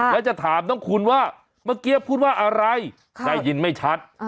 แล้วจะถามน้องคุณว่าเมื่อกี้พูดว่าอะไรได้ยินไม่ชัด